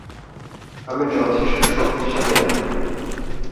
আমি যথেষ্ট শক্তিশালী না।